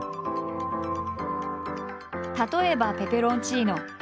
例えばペペロンチーノ。